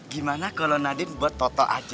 gimana kalau nadin buat toto aja